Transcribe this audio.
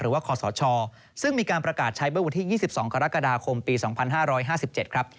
หรือว่าคศชซึ่งมีการประกาศใช้เวลาวันที่๒๒กรกฎาคมปี๒๕๕๗ครับ